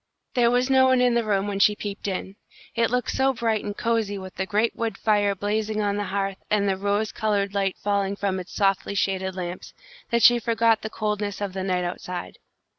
There was no one in the room when she peeped in. It looked so bright and cosy with the great wood fire blazing on the hearth and the rose coloured light falling from its softly shaded lamps, that she forgot the coldness of the night outside.